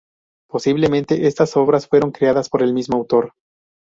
Posiblemente estas obras fueron creadas por el mismo autor.